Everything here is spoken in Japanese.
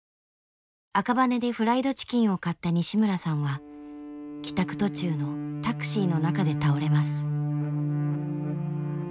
赤羽でフライドチキンを買った西村さんは帰宅途中のタクシーの中で倒れます。